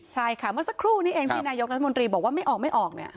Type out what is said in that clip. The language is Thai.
ใช่ค่ะเมื่อสักครู่นี้เองที่นายกรัฐมนตรีบอกว่าไม่ออกไม่ออกเนี่ย